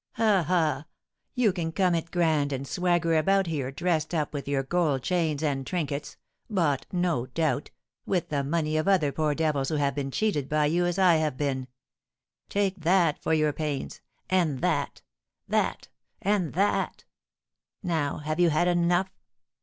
Ha, ha! You can come it grand, and swagger about here dressed up with your gold chains and trinkets, bought, no doubt, with the money of other poor devils who have been cheated by you as I have been. Take that for your pains and that that and that! Now, have you had enough?